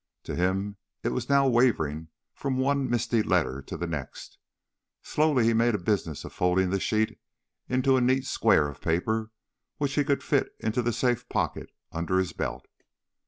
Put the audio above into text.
To him it was now wavering from one misty letter to the next. Slowly he made a business of folding the sheet into a neat square of paper which he could fit into the safe pocket under his belt.